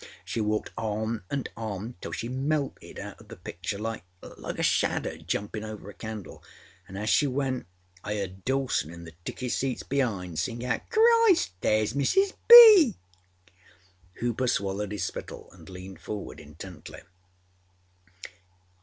She walked on and on till she melted out of the pictureâlikeâlike a shadow jumpinâ over a candle, anâ as she went I âeard Dawson in the ticky seats beâind sing out: âChrist! Thereâs Mrs. B.!ââ Hooper swallowed his spittle and leaned forward intently.